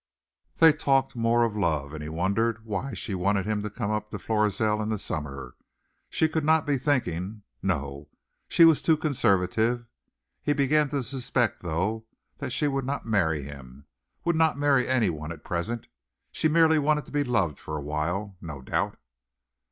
They talked more of love, and he wondered why she wanted him to come up to Florizel in the summer. She could not be thinking no, she was too conservative. He began to suspect, though, that she would not marry him would not marry anyone at present. She merely wanted to be loved for awhile, no doubt.